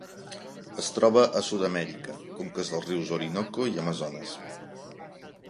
Es troba a Sud-amèrica: conques dels rius Orinoco i Amazones.